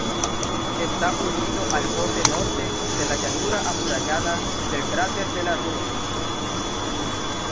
Está unido al borde norte de la llanura amurallada del cráter De La Rue.